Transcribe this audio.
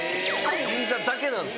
銀座だけなんですか？